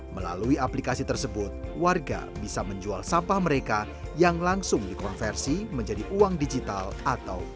melalui aplikasi tersebut warga bisa menjual sampah mereka yang langsung dikonversi menjadi uang digital atau